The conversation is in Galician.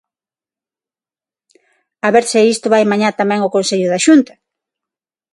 A ver se isto vai mañá tamén ao Consello da Xunta.